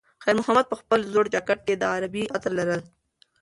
خیر محمد په خپل زوړ جاکټ کې د غریبۍ عطر لرل.